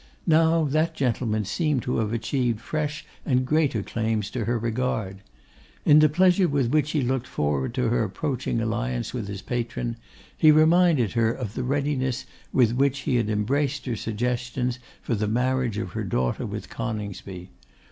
Now, that gentleman seemed to have achieved fresh and greater claims to her regard. In the pleasure with which he looked forward to her approaching alliance with his patron, he reminded her of the readiness with which he had embraced her suggestions for the marriage of her daughter with Coningsby.